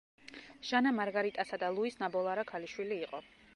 ჟანა მარგარიტასა და ლუის ნაბოლარა ქალიშვილი იყო.